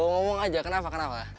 ngomong aja kenapa kenapa